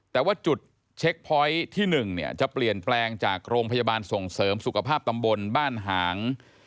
แต่ว่าจุดเช็คพอยต์ที่๑เนี่ยจะเปลี่ยนแปลงจากโรงพยาบาลส่งเสริมสุขภาพตำบลบ้านหาง